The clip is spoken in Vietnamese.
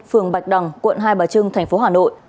phường bạch đằng quận hai bà trưng tp hà nội